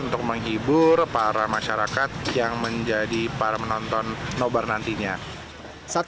untuk menghibur para masyarakat yang menjadi para penonton nobar nantinya